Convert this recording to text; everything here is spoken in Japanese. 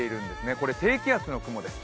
これ、低気圧の雲です。